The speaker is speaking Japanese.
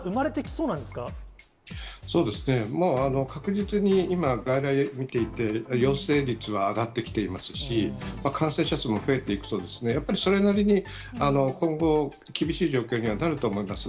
そうですね、もう確実に今、外来をみていて、陽性率は上がってきていますし、感染者数も増えていくと、やっぱりそれなりに、今後、厳しい状況にはなると思います。